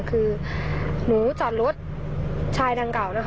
คือหนูจอดรถชายดังเก่านะคะ